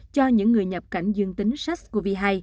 cho những người nhập cảnh dương tính sars cov hai